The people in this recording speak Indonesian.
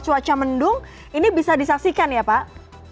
cuaca mendung ini bisa disaksikan ya pak